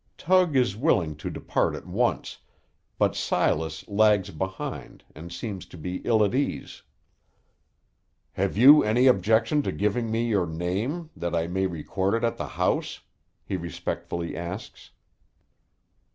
Tug is willing to depart at once, but Silas lags behind, and seems to be ill at ease. "Have you any objection to giving me your name, that I may record it at the house?" he respectfully asks.